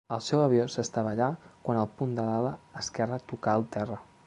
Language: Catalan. El seu avió s'estavellà quan la punta de l'ala esquerra tocà el terra.